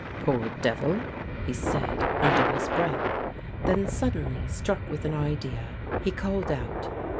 " Poor devil," he said, under his breath. Then suddenly struck with an idea, he called out.